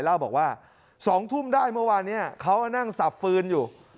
เล่าบอกว่า๒ทุ่มได้เมื่อวานนี้เขานั่งสับฟืนอยู่